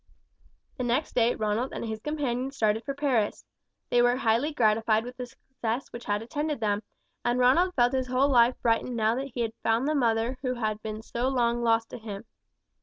The next day Ronald and his companion started for Paris. They were highly gratified with the success which had attended them, and Ronald felt his whole life brightened now that he had found the mother who had been so long lost to him.